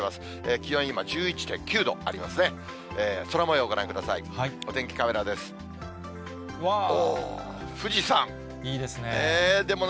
気温、今１１．９度ありますね。